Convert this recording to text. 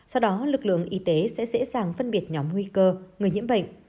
sau đó lực lượng y tế sẽ dễ dàng phân biệt nhóm nguy cơ người nhiễm bệnh